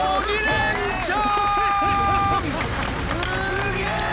すげえ！